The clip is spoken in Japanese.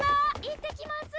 行ってきます！